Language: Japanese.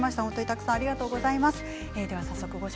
たくさんありがとうございました。